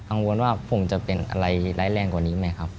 กังวลว่าผมจะเป็นอะไรร้ายแรงกว่านี้ไหมครับ